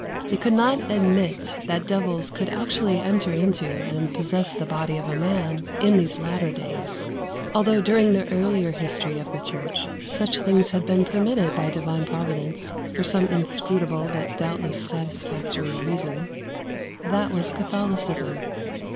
They could not admit that devils could actually enter into and possess the body of a man in those latter days, although during the earlier history of the Church such things had been permitted by Divine Providence for some inscrutable but doubtless satisfactory reason: that was Catholicism.